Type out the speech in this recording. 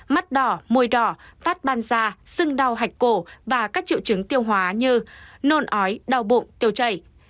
mắt đỏ môi đỏ phát ban da sưng đau hạch cổ và các triệu chứng tiêu hóa như nôn ói đau bụng tiêu chảy